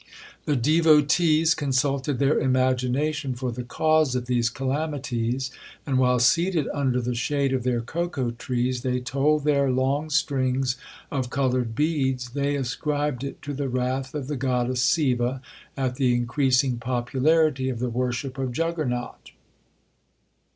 The devotees consulted their imagination for the cause of these calamities; and, while seated under the shade of their cocoa trees they told their long strings of coloured beads, they ascribed it to the wrath of the goddess Seeva at the increasing popularity of the worship of Juggernaut.